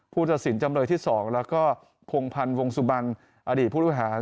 ผู้ตัดสินจำเลยที่๒แล้วก็พงพันธ์วงสุบันอดีตผู้บริหาร